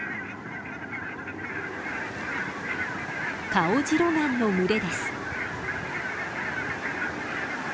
カオジロガンの群れです。